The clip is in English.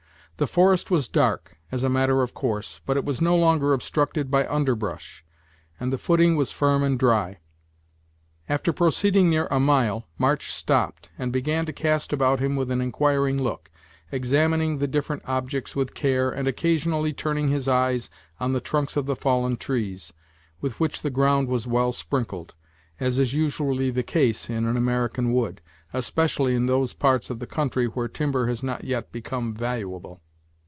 The forest was dark, as a matter of course, but it was no longer obstructed by underbrush, and the footing was firm and dry. After proceeding near a mile, March stopped, and began to cast about him with an inquiring look, examining the different objects with care, and occasionally turning his eyes on the trunks of the fallen trees, with which the ground was well sprinkled, as is usually the case in an American wood, especially in those parts of the country where timber has not yet become valuable.